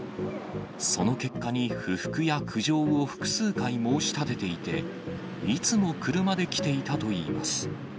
その結果に不服や苦情を複数回申し立てていて、いつも車で来ていたといいます。